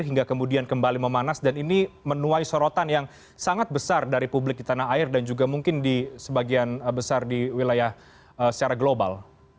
hingga kemudian kembali memanas dan ini menuai sorotan yang sangat besar dari publik di tanah air dan juga mungkin di sebagian besar di wilayah secara global